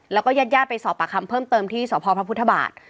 แล้วก็ยัดไปสอบประคำเพิ่มเติมที่สวพพระพุทธบาท